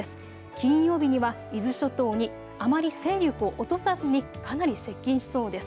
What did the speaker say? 金曜日には伊豆諸島にあまり勢力を落とさずにかなり接近しそうです。